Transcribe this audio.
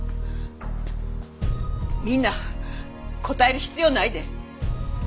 みんな答える必要ないで。